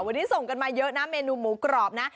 วันนี้ส่งกันมาเยอะนะเมนูหมูกรอบนะ